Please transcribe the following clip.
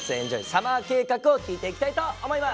サマー計画」を聞いていきたいと思います。